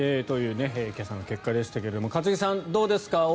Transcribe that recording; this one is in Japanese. という今朝の結果でしたけれども一茂さん、どうですか？